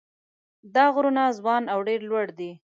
دا غرونه ځوان او ډېر لوړ دي.